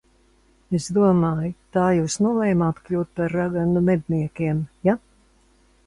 Es domāju, tā jūs nolēmāt kļūt par raganu medniekiem, ja?